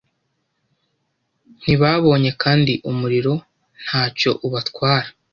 Ntibaboshye kandi umuriro nta cyo ubatwara.